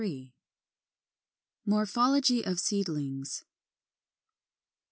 MORPHOLOGY OF SEEDLINGS.